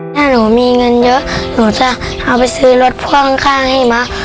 ถ้าหนูมีเงินเยอะหนูจะเอาไปซื้อรถพ่วงข้างให้มะ